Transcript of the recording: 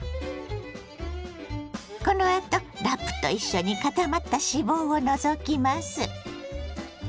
このあとラップと一緒に固まった脂肪を除きます。